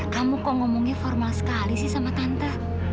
kamu kok ngomongnya formal sekali sih sama tante